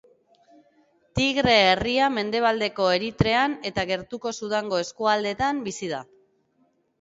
Tigre herria mendebaldeko Eritrean eta gertuko Sudango eskualdeetan bizi da.